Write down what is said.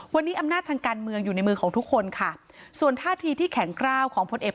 วันนี้อำนาจทางการเมืองอยู่ในมือของทุกคนค่ะส่วนท่าทีที่แข็งกล้าวของพลเอก